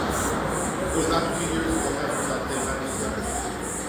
It was after two years of effort that they managed to start it.